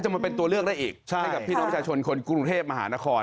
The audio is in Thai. มันเป็นตัวเลือกได้อีกให้กับพี่น้องประชาชนคนกรุงเทพมหานคร